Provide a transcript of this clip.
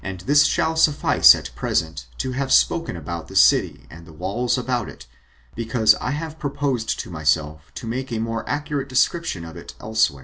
And this shall suffice at present to have spoken about the city and the walls about it, because I have proposed to myself to make a more accurate description of it elsewhere.